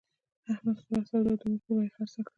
احمد خپله سودا د اور په بیه خرڅه کړه.